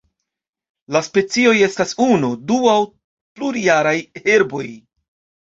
La specioj estas unu, du aŭ plurjaraj herboj.